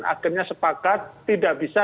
akhirnya sepakat tidak bisa